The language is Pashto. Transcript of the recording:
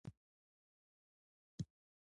په لومړیو درېیو برخو کې مې نظریات راوړي دي.